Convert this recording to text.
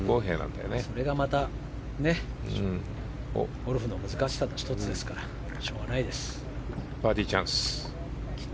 それがまたゴルフの難しさの１つですからしょうがないです。